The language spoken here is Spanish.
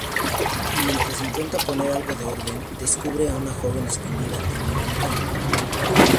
Mientras intenta poner algo de orden, descubre a una joven escondida en un rincón…